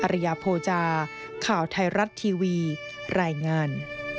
ริยโภจาข่าวไทยรัฐทีวีรายงาน